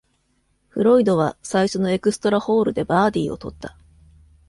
フロイドは最初のエクストラホールでバーディを取った。